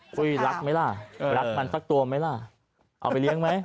ปุ้ยรักไหมล่ะรักมันสักตัวไหมล่ะเอาไปเลี้ยงไหม